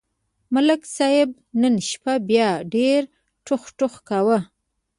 ملک صاحب نن شپه بیا ډېر ټوخ ټوخ کاوه.